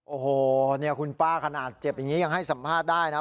โอ้โหเนี่ยคุณป้าขนาดเจ็บอย่างนี้ยังให้สัมภาษณ์ได้นะ